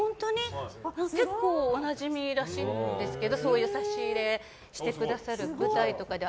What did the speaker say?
結構お馴染みらしいんですけどそういう差し入れしてくださる舞台とかでは。